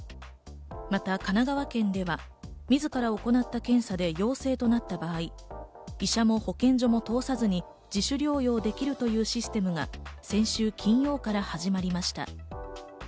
また神奈川県では自ら行った検査で陽性となった場合、医者も保健所も通さずに自主療養できるというシステムが先週金曜から始まりました。